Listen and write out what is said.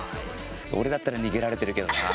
俺だったら逃げられてるけどな。